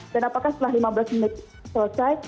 dan apakah setelah lima belas menit selesai